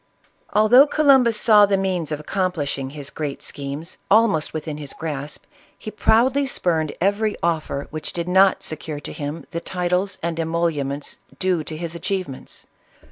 Although Columbus saw the means of accomplishing his great schemes, almost within his grasp, he proudly spurned every offer which did not secure to him the titles and emoluments due to his achievements.